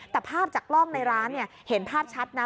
แต่ภาพจากกล้องในร้านเห็นภาพชัดนะ